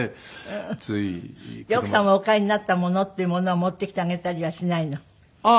じゃあ奥様がお買いになったものっていうものを持ってきてあげたりはしないの？